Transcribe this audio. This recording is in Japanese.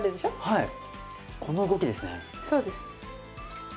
はい。